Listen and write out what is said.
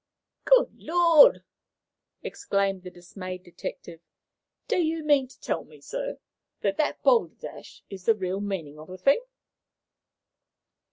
"Good Lord!" exclaimed the dismayed detective. "Do you mean to tell me, sir, that that balderdash is the real meaning of the thing?"